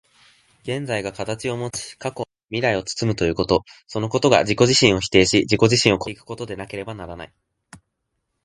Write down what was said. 現在が形をもち、過去未来を包むということ、そのことが自己自身を否定し、自己自身を越え行くことでなければならない。